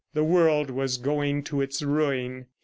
The world was going to its ruin.